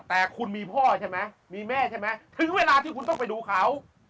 แต่คุณมีพ่อใช่ไหมมีแม่ใช่ไหมถึงเวลาที่คุณต้องไปดูเขา